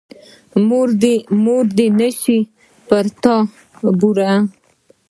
مور دې نه شي پر تا بورې.